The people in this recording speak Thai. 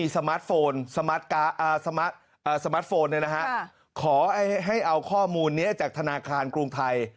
สมาร์ทโฟนสมาร์ทโฟนขอให้เอาข้อมูลนี้จากธนาคารกรุงไทย